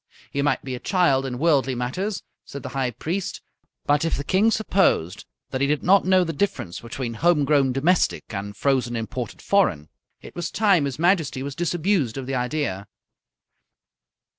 He might be a child in worldly matters, said the High Priest, but if the King supposed that he did not know the difference between home grown domestic and frozen imported foreign, it was time his Majesty was disabused of the idea.